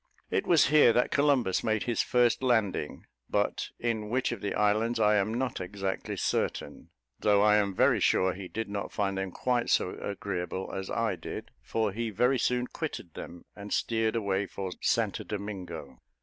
It was here that Columbus made his first landing, but in which of the islands I am not exactly certain; though I am very sure he did not find them quite so agreeable as I did, for he very soon quitted them, and steered away for St Domingo.